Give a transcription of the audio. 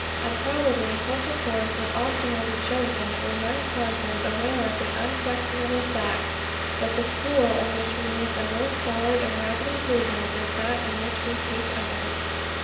And probably such a course would oftener be chosen, were young persons aware of the unquestionable fact, that the school in which we make the most solid and rapid improvement, is that in which we teach others.